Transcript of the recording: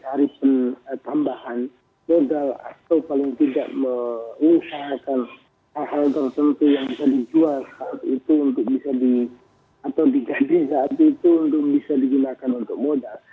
kita harus cari cara untuk mencari tambahan modal atau paling tidak mengusahakan hal hal tertentu yang bisa dijual saat itu untuk bisa diganti saat itu untuk bisa digunakan untuk modal